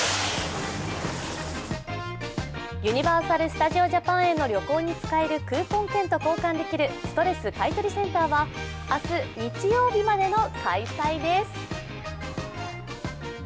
ユニバーサル・スタジオ・ジャパンへの旅行に使えるクーポン券と交換できるストレス買取センターは明日日曜日までの開催です。